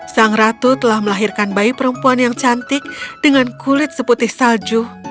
sang ratu telah melahirkan bayi perempuan yang cantik dengan kulit seputih salju